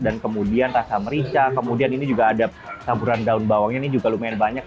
dan kemudian rasa merica kemudian ini juga ada saburan daun bawangnya ini juga lumayan banyak